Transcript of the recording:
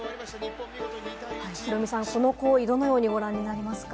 ヒロミさん、この行為どのようにご覧になりますか？